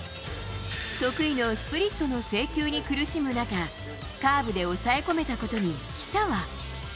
得意のスプリットの制球に苦しむ中、カーブで抑え込めたことに、記者は。